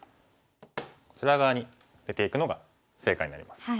こちら側に出ていくのが正解になります。